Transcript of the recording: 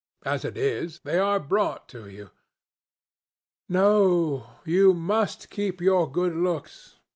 As it is, they are brought to you. No, you must keep your good looks.